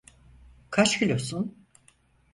Kaç kilosun?